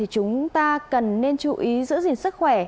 chúng ta cần nên chú ý giữ gìn sức khỏe